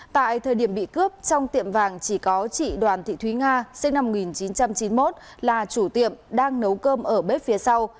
tại thời điểm bị cướp trong tiệm vàng chỉ có chị đoàn thị thúy nga sinh năm một nghìn chín trăm chín mươi một là chủ tiệm đang nấu cơm ở bếp phía sau